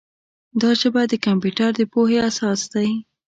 دا ژبه د کمپیوټر د پوهې اساس دی.